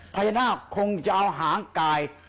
พญานาคคงจะเอาหางกาย